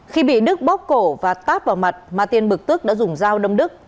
khi bị đức bóp cổ và tát vào mặt ma tiên bực tức đã dùng dao đâm đức